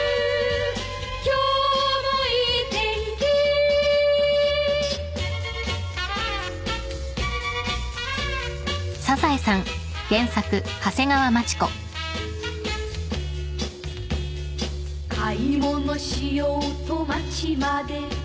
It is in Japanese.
「今日もいい天気」「買い物しようと街まで」